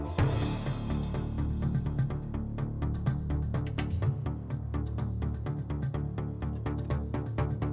kenapa bok bangkenya bisa hilang ya